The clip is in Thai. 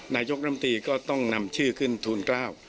นายยกรัฐมนตรีก็ต้องนำชื่อขึ้นถุนกล้าว